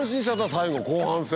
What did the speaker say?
最後後半戦。